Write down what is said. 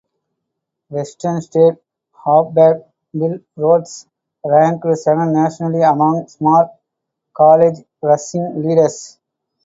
Western State halfback Bill Rhodes ranked second nationally among small college rushing leaders.